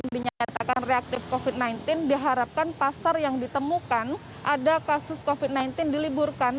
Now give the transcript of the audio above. dinyatakan reaktif covid sembilan belas diharapkan pasar yang ditemukan ada kasus covid sembilan belas diliburkan